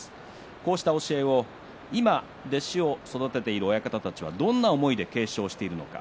こうした教えを、今弟子を育てている親方たちはどんな思いで継承しているのか。